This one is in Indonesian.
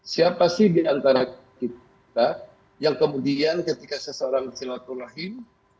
siapa sih di antara kita yang kemudian ketika seseorang silatul rahim